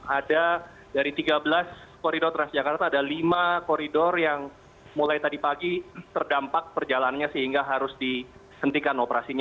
ada dari tiga belas koridor transjakarta ada lima koridor yang mulai tadi pagi terdampak perjalannya sehingga harus dihentikan operasinya